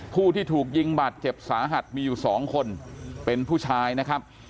ผู้ที่ถูกยิงบาดเจ็บสาหัสมีอยู่สองคนเป็นผู้ชายนะครับ